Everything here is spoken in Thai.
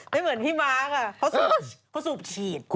ไม่เหมาะพี่มากอะก็สุบฉีบ